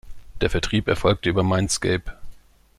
Der Vertrieb erfolgte über Mindscape.